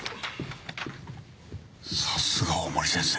さすが大森先生。